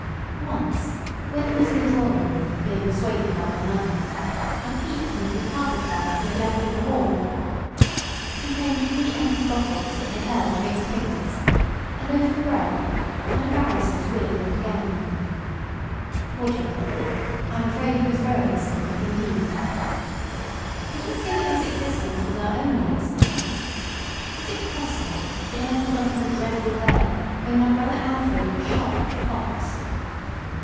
Once while he was in the drawing room being persuaded by my mother, I peeped into the carpet bag he had left in the hall: It contained three empty bottles that had held mixed pickles, a loaf of bread and a barrister's wig and gown. Poor gentleman, I am afraid he was very eccentric indeed. Did I say that his existence was our only excitement. Is it possible that I have forgotten the dreadful day when my brother Alfred shot a fox?